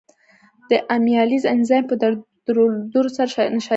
د امایلیز انزایم په درلودو سره نشایسته بدلوي.